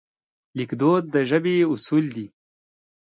لیکدود د ژبې اصول دي.